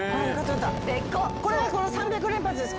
これが３００連発です。